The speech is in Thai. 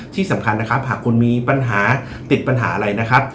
ที่สำคัญนะครับหากคุณมีปัญหาติดปัญหาอะไรนะครับ